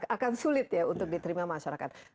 akan sulit ya untuk diterima masyarakat